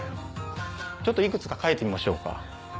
ちょっと幾つか書いてみましょうか。